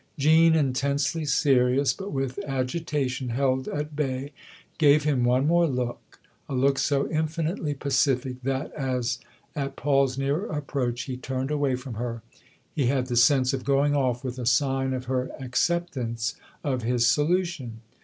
Jean, intensely serious but with agitation held at bay, gave him one more look, a look so infinitely pacific that as, at Paul's nearer approach, he turned away from her, he had the sense of going off with a sign of her acceptance of his solution.